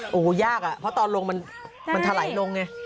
โหยากเพราะตอนลงมันเธอไหลลงไง